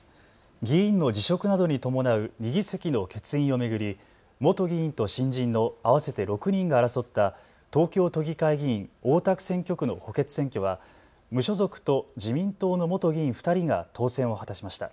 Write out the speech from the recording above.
議員の辞職などに伴う２議席の欠員を巡り元議員と新人の合わせて６人が争った東京都議会議員大田区選挙区の補欠選挙は無所属と自民党の元議員２人が当選を果たしました。